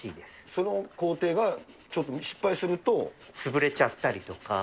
その工程がちょっと失敗する潰れちゃったりとか。